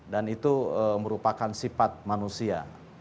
dan itu merupakan sifat manusia